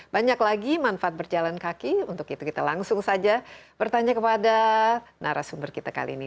banyak lagi manfaat berjalan kaki untuk itu kita langsung saja bertanya kepada narasumber kita kali ini